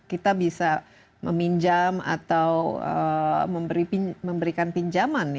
kita bisa meminjam atau memberikan pinjaman